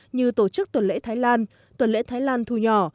như tổ chức tuần lễ thái lan tuần lễ thái lan thu nhỏ